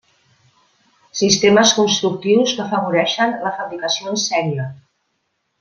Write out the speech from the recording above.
Sistemes constructius que afavoreixen la fabricació en sèrie.